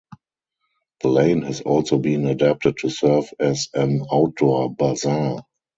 The lane has also been adapted to serve as an outdoor bazaar.